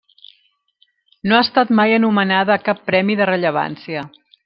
No ha estat mai anomenada a cap premi de rellevància.